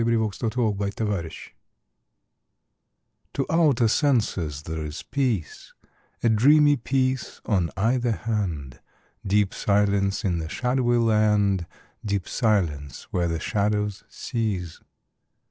fi4S] II LA FUITE DE LA LUNE TO outer senses there is peace, A dreamy peace on either hand, Deep silence in the shadowy land, Deep silence where the shadows cease.